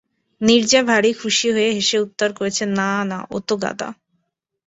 নীরজা ভারি খুশি হয়ে হেসে উত্তর করেছে, না না, ও তো গাঁদা।